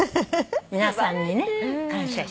皆さんにね感謝して。